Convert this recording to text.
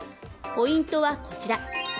ポイントはこちら。